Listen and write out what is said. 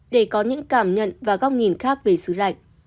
để có những cảm nhận và góc nhìn khác về xứ lạnh